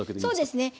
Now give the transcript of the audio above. そうですね。